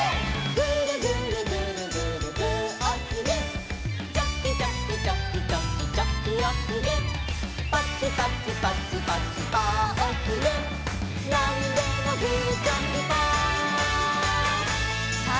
「グルグルグルグルグーおひげ」「チョキチョキチョキチョキチョキおひげ」「パチパチパチパチパーおひげ」「なんでもグーチョキパー」さあさいごはすきなポーズでいくよ。